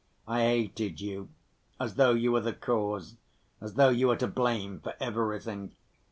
I hated you as though you were the cause, as though you were to blame for everything.